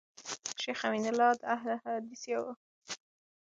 شيخ امین الله د اهل الحديثو يو ډير لوی او مشهور عالم دی